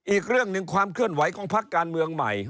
อีกเรื่องหนึ่งความเคลื่อนไหวของพักการเมืองใหม่